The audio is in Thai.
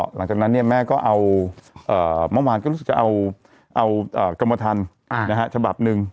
หลังจากนั้นแม่ก็เอากรมว่าธรรมชะบับหนึ่ง